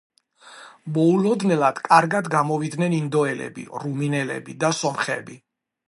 მოულოდნელად კარგად გამოვიდნენ ინდოელები, რუმინელები და სომხები.